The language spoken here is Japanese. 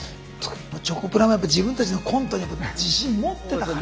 チョコプラもやっぱ自分たちのコントに自信持ってたから。